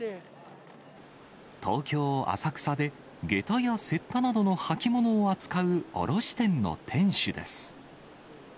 東京・浅草で、げたやせったなどの履物を扱う卸店の店主です。